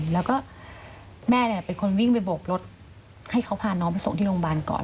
แล้วก็แม่เป็นคนวิ่งไปโบกรถให้เขาพาน้องไปส่งที่โรงพยาบาลก่อน